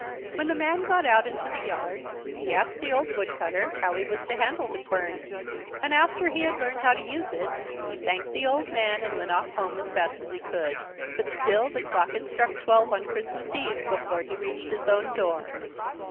When the man got out into the yard, he asked the old woodcutter how he was to handle the quern; and after he had learned how to use it, he thanked the old man and went off home as fast as he could, but still the clock had struck twelve on Christmas eve before he reached his own door.